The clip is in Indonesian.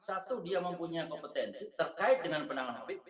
satu dia mempunyai kompetensi terkait dengan penanganan hpp